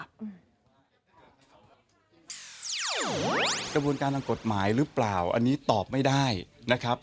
กระบวนการทางกฎหมายหรือเปล่าอันนี้ตอบไม่ได้นะครับ